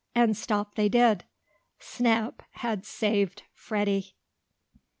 And stop they did. Snap had saved Freddie.